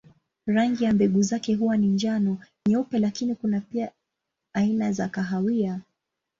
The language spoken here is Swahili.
Rangi ya mbegu zake huwa ni njano, nyeupe lakini kuna pia aina za kahawia.